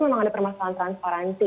memang ada permasalahan transparansi